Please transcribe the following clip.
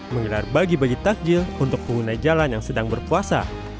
menggelar bagi bagi takjil untuk pengguna jalan yang sedang berpuasa